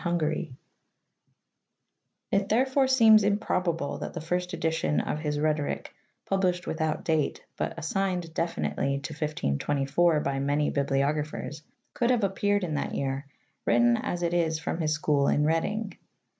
lo THE ARTE OR CRAFTE OF RHETHORYKE It therefore seems improbable that the first edition of \i\% Rhetoric, published without date, but assigned definitely to 1524 by many bibliographers, could have appeared in that year, „,.. written as it is from his school in Reading.'